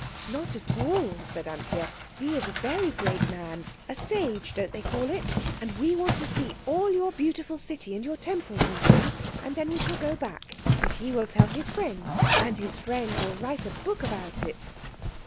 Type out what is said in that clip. "Not at all," said Anthea; "he's a very great man. A sage, don't they call it? And we want to see all your beautiful city, and your temples and things, and then we shall go back, and he will tell his friend, and his friend will write a book about it."